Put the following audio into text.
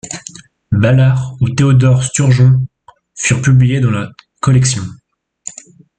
Ballard ou Theodore Sturgeon furent publiés dans la collection.